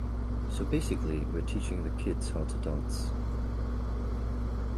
So basically, we're teaching the kids how to dance.